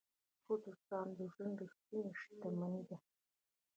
ښه دوستان د ژوند ریښتینې شتمني ده.